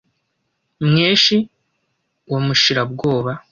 Mweshi wa Mushirabwoba